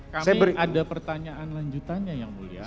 kami ada pertanyaan lanjutannya yang mulia